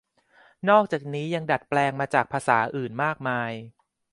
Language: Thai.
นอกจากนี้ยังดัดแปลงมาจากภาษาอื่นมากมาย